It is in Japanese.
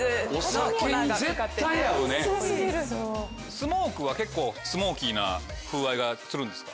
スモークは結構スモーキーな風合いがするんですか？